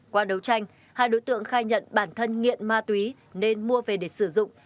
qua đấu tranh hai đối tượng khai nhận bản thân nghiện ma túy nên mua về để sử dụng